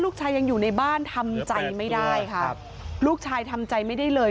ลูกชายยังอยู่ในบ้านทำใจไม่ได้ค่ะลูกชายทำใจไม่ได้เลย